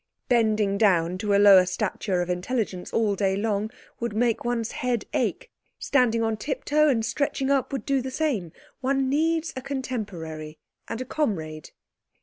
Bending down to a lower stature of intelligence all day long would make one's head ache; standing on tiptoe and stretching up would do the same; one needs a contemporary and a comrade.